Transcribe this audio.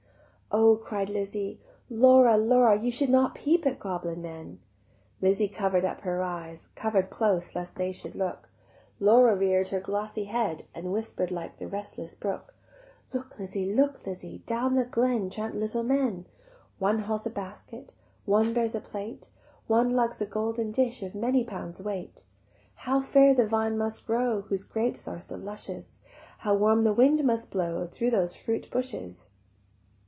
"Oh," cried Lizzie, "Laura, Laura, You should not peep at goblin men." Lizzie cover'd up her eyes, Cover'd close lest they should look; Laura rear'd her glossy head, And whisper'd like the restless brook: "Look, Lizzie, look, Lizzie, Down the glen tramp little men. One hauls a basket, One bears a plate, One lugs a golden dish Of many pounds weight. How fair the vine must grow Whose grapes are so luscious; How warm the wind must blow Through those fruit bushes."